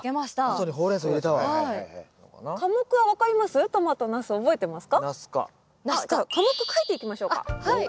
あじゃあ科目書いていきましょうか。